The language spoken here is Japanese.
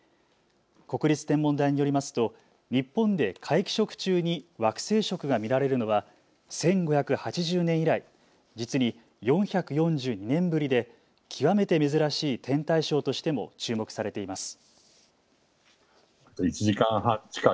国立天文台によりますと日本で皆既食中に惑星食が見られるのは１５８０年以来、実に４４２年ぶりで極めて珍しい天体ショーとしても注目されています。